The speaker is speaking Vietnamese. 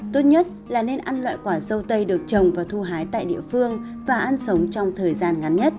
tốt nhất là nên ăn loại quả dâu tây được trồng và thu hái tại địa phương và ăn sống trong thời gian ngắn nhất